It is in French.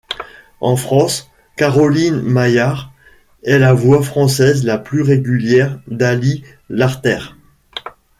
En France, Caroline Maillard est la voix française la plus régulière d'Ali Larter.